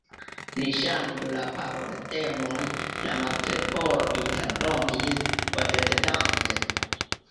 "Ni ŝanĝu la paroltemon," la Martleporo interrompis, oscedante.